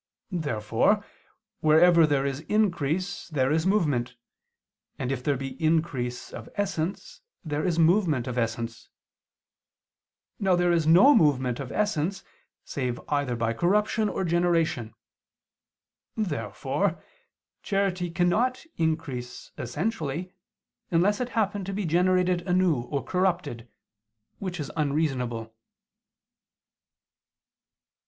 Therefore wherever there is increase there is movement, and if there be increase of essence there is movement of essence. Now there is no movement of essence save either by corruption or generation. Therefore charity cannot increase essentially, unless it happen to be generated anew or corrupted, which is unreasonable.